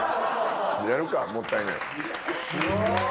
やるかもったいない。